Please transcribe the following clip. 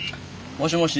もしもし。